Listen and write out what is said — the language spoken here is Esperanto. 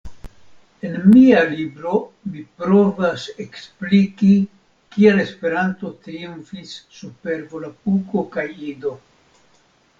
En mia libro mi provas ekspliki kial Esperanto triumfis super Volapuko kaj Ido.